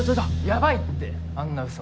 ヤバいってあんなうそ。